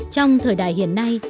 trong thời đại hiện nay